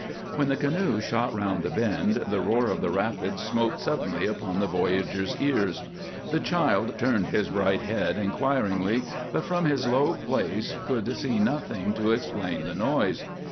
When the canoe shot round the bend, the roar of the rapids smote suddenly upon the voyagers' ears. The child turned his bright head inquiringly, but from his low place could see nothing to explain the noise.